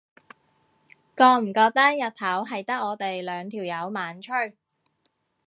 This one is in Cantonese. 覺唔覺日頭係得我哋兩條友猛吹？